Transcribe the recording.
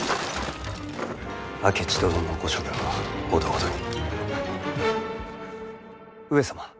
明智殿のご処分はほどほどに。